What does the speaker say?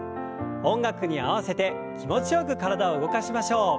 音楽に合わせて気持ちよく体を動かしましょう。